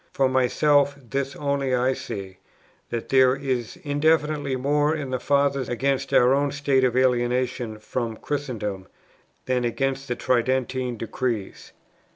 For myself, this only I see, that there is indefinitely more in the Fathers against our own state of alienation from Christendom than against the Tridentine Decrees.